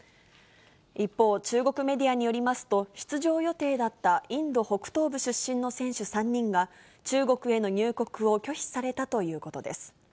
一方、中国メディアによりますと、出場予定だったインド北東部出身の選手３人が、中国への入国を拒否されたということです。